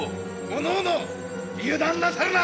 おのおの油断なさるな！